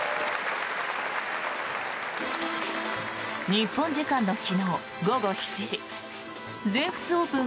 日本時間の昨日午後７時全仏オープン